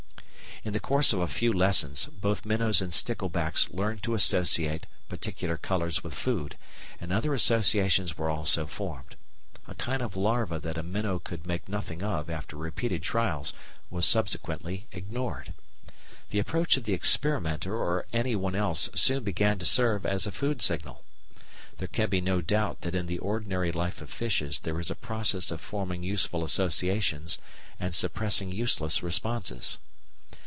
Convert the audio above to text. In the course of a few lessons, both minnows and sticklebacks learned to associate particular colours with food, and other associations were also formed. A kind of larva that a minnow could make nothing of after repeated trials was subsequently ignored. The approach of the experimenter or anyone else soon began to serve as a food signal. There can be no doubt that in the ordinary life of fishes there is a process of forming useful associations and suppressing useless responses.